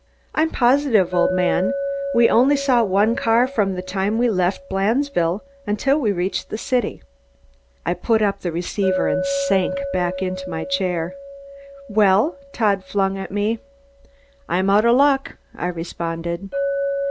"I'm positive, old man. We only saw one car from the time we left Blandesville, until we reached the city." I put up the receiver and sank back in my chair. "Well?" Todd flung at me. "I'm out of luck!" I responded.